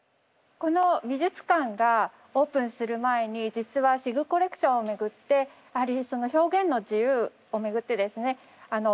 この美術館がオープンする前に実はシグコレクションをめぐって表現の自由をめぐってですね